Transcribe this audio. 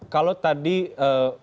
kalau tadi menurut